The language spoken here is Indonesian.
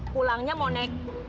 pulangnya mau naik